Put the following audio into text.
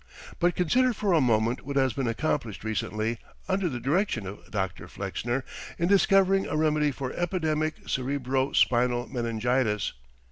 But consider for a moment what has been accomplished recently, under the direction of Dr. Flexner in discovering a remedy for epidemic cerebro spinal meningitis.